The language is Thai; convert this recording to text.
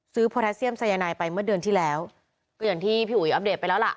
โพแทสเซียมสายนายไปเมื่อเดือนที่แล้วก็อย่างที่พี่อุ๋ยอัปเดตไปแล้วล่ะ